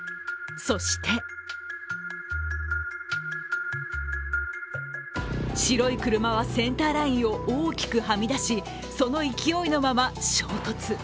そして白い車はセンターラインを大きくはみ出し、その勢いのまま衝突。